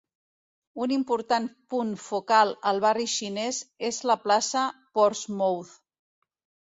Un important punt focal al barri Xinès és la plaça Portsmouth.